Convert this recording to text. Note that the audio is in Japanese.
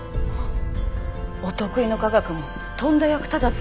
お得意の科学もとんだ役立たずね。